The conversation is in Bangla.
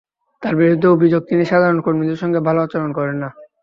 তাঁর বিরুদ্ধে অভিযোগ, তিনি সাধারণ কর্মীদের সঙ্গে ভালো আচরণ করেন না।